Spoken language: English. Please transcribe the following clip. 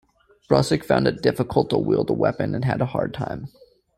Brussig found it difficult to wield a weapon and had a hard time.